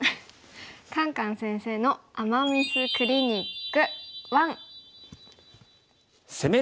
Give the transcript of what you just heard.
「カンカン先生の“アマ・ミス”クリニック１」。